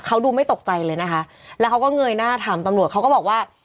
เขาดูไม่ตกใจเลยนะคะแล้วเขาก็เงยหน้าถามตำรวจเขาก็บอกว่า